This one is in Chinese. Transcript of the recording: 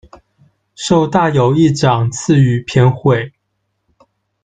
受大友义长赐予偏讳。